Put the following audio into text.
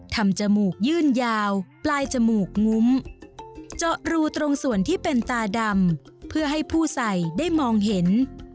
จมูกยื่นยาวปลายจมูกงุ้มเจาะรูตรงส่วนที่เป็นตาดำเพื่อให้ผู้ใส่ได้มองเห็น